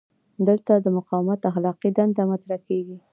دلته د مقاومت اخلاقي دنده مطرح کیږي.